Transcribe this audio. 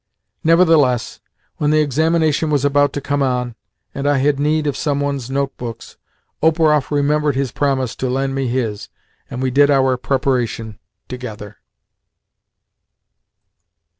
Nevertheless, when the examination was about to come on, and I had need of some one's notebooks, Operoff remembered his promise to lend me his, and we did our preparation together.